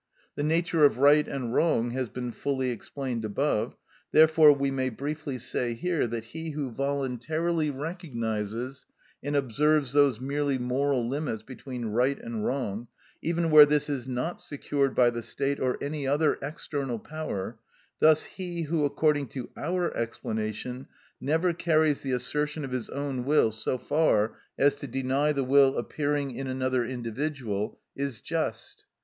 The nature of right and wrong has been fully explained above; therefore we may briefly say here, that he who voluntarily recognises and observes those merely moral limits between wrong and right, even where this is not secured by the state or any other external power, thus he who, according to our explanation, never carries the assertion of his own will so far as to deny the will appearing in another individual, is just.